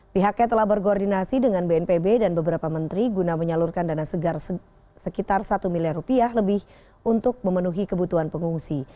pihaknya telah berkoordinasi dengan bnpb dan beberapa menteri guna menyalurkan dana segar sekitar satu miliar rupiah lebih untuk memenuhi kebutuhan pengungsi